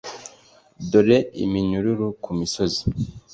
dore iminyururu ku misozi,